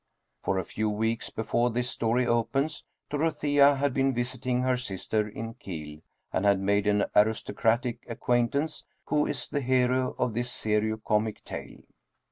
For a few weeks before this story opens, Dorothea had been visiting her sister in Kiel, and had made an aristocratic acquaintance who is the hero of this serio comic tale.